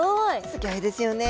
すギョいですよね！